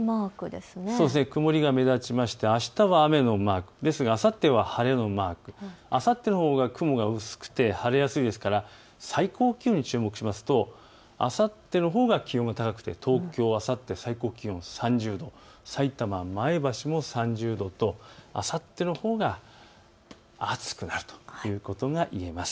曇りが目立ちまして、あしたは雨のマーク、ですが、あさっては晴れのマーク、あさってのほうが雲が薄くて晴れやすいですから最高気温に注目しますとあさってのほうが気温が高くて東京あさって最高気温３０度、さいたま、前橋も３０度とあさってのほうが暑くなるということがいえます。